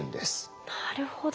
なるほど。